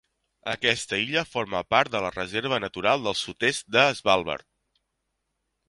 Aquesta illa forma part de la Reserva natural del sud-est de Svalbard.